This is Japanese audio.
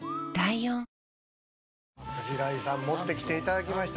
鯨井さん持ってきていただきました。